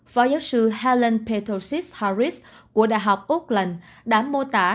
phó giáo sư helen petosius harris của đh auckland đã mô tả